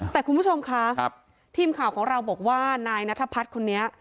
แต่คุณผู้ชมคะทีมข่าวของเราบอกว่านายนัทพัฒน์คนนี้